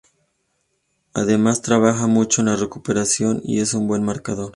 Además trabaja mucho en la recuperación y es un buen marcador.